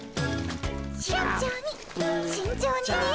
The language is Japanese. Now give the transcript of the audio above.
慎重に慎重にね。